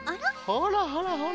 ほらほらほら。